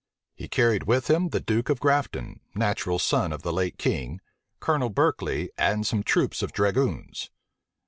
He carried with him the duke of Grafton, natural son of the late king, Colonel Berkeley, and some troops of dragoons.